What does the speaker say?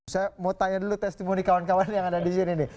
saya mau tanya dulu testimoni kawan kawan yang ada di sini nih